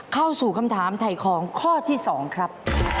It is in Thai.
เข้าสู่คำถามถ่ายของข้อที่๒ครับ